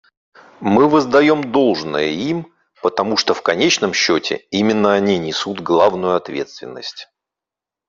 Мы воздаем должное им, потому что в конечном счете именно они несут главную ответственность.